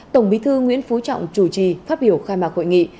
tổng bí thư nguyễn phú trọng chủ trì phát biểu khai mạc hội nghị